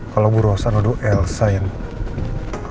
kalau bu ros anodo elsa yang